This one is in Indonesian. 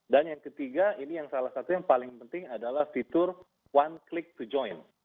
dan yang ketiga ini yang salah satunya yang paling penting adalah fitur one click to join